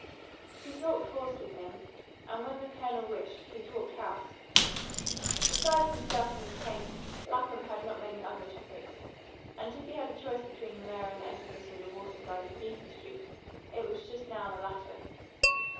He talked horse with him, and when the Colonel wished he talked house. Besides himself and his paint Lapham had not many other topics; and if he had a choice between the mare and the edifice on the water side of Beacon Street, it was just now the latter.